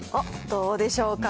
どうでしょうか。